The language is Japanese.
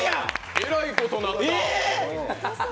えらいことなった。